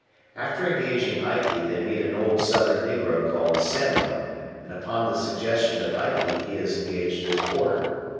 After engaging Ikey they meet an old Southern Negro called Sambo, and upon the suggestion of Ikey he is engaged as porter.